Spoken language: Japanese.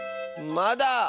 まだ。